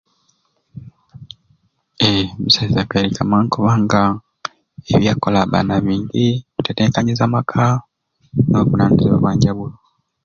Eee omusaiza akairika mangu olwansonga nti ebyakukola abba na bingi atetekanyiza amaka n'obuvunanyizibwa obwanjawulo.